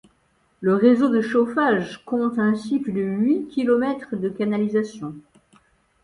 Le réseau de chauffage compte ainsi plus de huit kilomètres de canalisations.